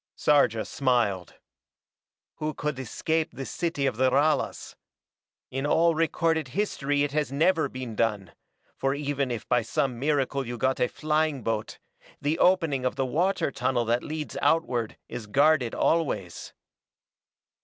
Sarja smiled. "Who could escape the city of the Ralas? In all recorded history it has never been done, for even if by some miracle you got a flying boat, the opening of the water tunnel that leads outward is guarded always."